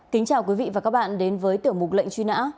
tiểu mục lệnh truy nã